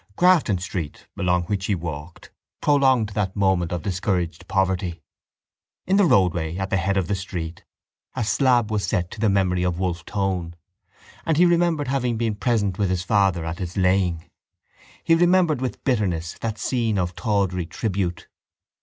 Grafton Street, along which he walked, prolonged that moment of discouraged poverty. In the roadway at the head of the street a slab was set to the memory of Wolfe Tone and he remembered having been present with his father at its laying. He remembered with bitterness that scene of tawdry tribute.